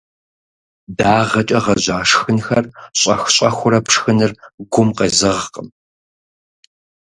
Дагъэкӏэ гъэжьа шхынхэр щӏэх-щӏэхыурэ пшхыныр гум къезэгъкъым.